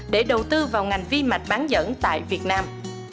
để đầu tư vào ngành vi mạch bán dẫn tại việt nam